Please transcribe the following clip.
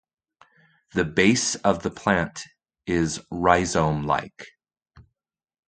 The base of the plant is rhizome like.